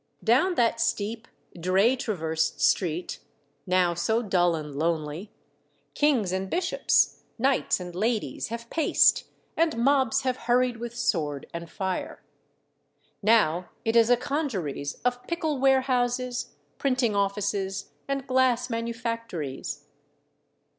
Down that steep, dray traversed street, now so dull and lonely, kings and bishops, knights and ladies, have paced, and mobs have hurried with sword and fire. Now it is a congeries of pickle warehouses, printing offices, and glass manufactories.